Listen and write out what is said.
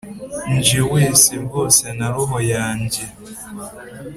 nje wese rwose na roho yanjye